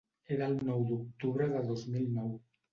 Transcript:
Era el nou d’octubre de dos mil nou.